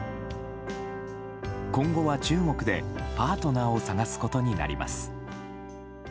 今後は、中国でパートナーを探すことになります。